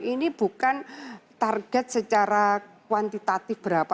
ini bukan target secara kuantitatif berapa